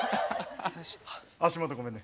足元ごめんね。